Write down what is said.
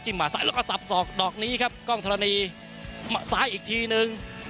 หมาซ้ายแล้วก็สับสอกดอกนี้ครับกล้องธรณีซ้ายอีกทีนึง